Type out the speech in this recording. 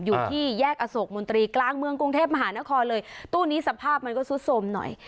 อยู่ที่แยกอโศกมนตรีกลางเมืองกรุงเทพมหานครเลยตู้นี้สภาพมันก็ซุดสมหน่อย